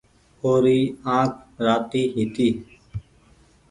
او ري آنک راتي هيتي